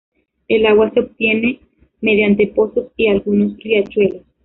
El agua se obtiene mediante pozos y algunos riachuelos.